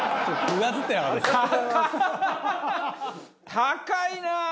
高いな！